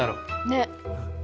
ねっ。